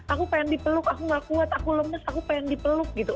aku pengen dipeluk aku gak kuat aku lemes aku pengen dipeluk gitu